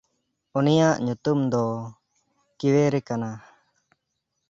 ᱩᱱᱤᱭᱟᱜ ᱧᱩᱛᱩᱢ ᱫᱚ ᱠᱤᱣᱮᱨᱮ ᱠᱟᱱᱟ᱾